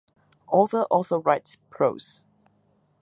Author also writes prose.